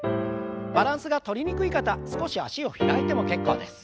バランスがとりにくい方少し脚を開いても結構です。